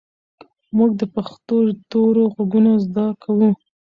موږ د پښتو تورو غږونه زده کوو.